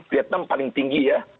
vietnam paling tinggi ya